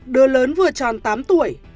đứa lớn vừa tròn tám tuổi